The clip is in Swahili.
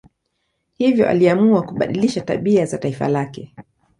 Hivyo aliamua kubadilisha tabia za taifa lake.